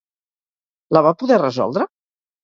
La va poder resoldre?